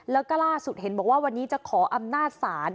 แล้วก็ล่าสุดเห็นบอกว่าวันนี้จะขออำนาจศาล